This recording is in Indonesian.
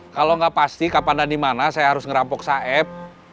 kalau nggak pasti kapan dan dimana saya harus ngerampok saep